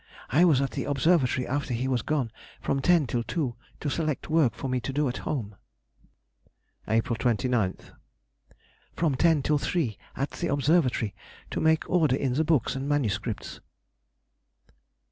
I was at the Observatory after he was gone, from ten till two, to select work for me to do at home. April 29th.—From ten till three at the Observatory to make order in the books and MSS.